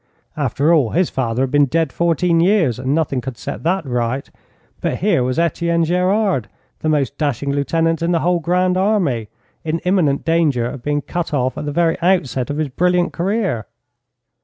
After all, his father had been dead fourteen years, and nothing could set that right; but here was Etienne Gerard, the most dashing lieutenant in the whole Grand Army, in imminent danger of being cut off at the very outset of his brilliant career.